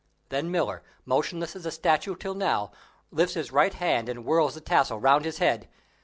Then Miller, motionless as a statue till now, lifts his right hand and whirls the tassel round his head.